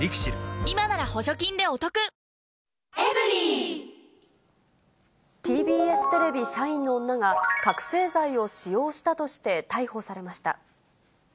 今なら補助金でお得ＴＢＳテレビ社員の女が覚醒剤を使用したとして逮捕されました。